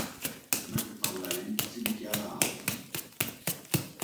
MacFarlane si dichiara ateo.